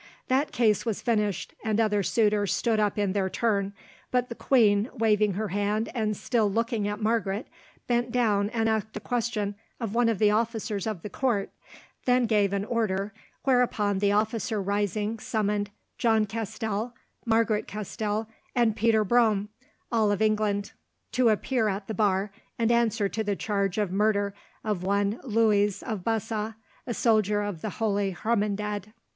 That case was finished, and other suitors stood up in their turn, but the queen, waving her hand and still looking at Margaret, bent down and asked a question of one of the officers of the court, then gave an order, whereon the officer rising, summoned "John Castell, Margaret Castell, and Peter Brome, all of England," to appear at the bar and answer to the charge of murder of one Luiz of Basa, a soldier of the Holy Hermandad.